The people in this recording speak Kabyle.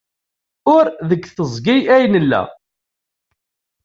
Ur deg teẓgi ay nella.